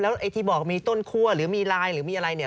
ไอ้ที่บอกมีต้นคั่วหรือมีลายหรือมีอะไรเนี่ย